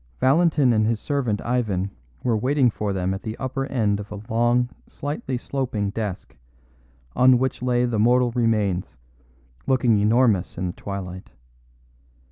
Valentin and his servant Ivan were waiting for them at the upper end of a long, slightly sloping desk, on which lay the mortal remains, looking enormous in the twilight.